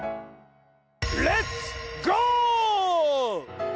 レッツゴー！